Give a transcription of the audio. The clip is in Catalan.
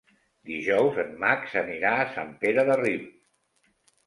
Dijous en Max anirà a Sant Pere de Ribes.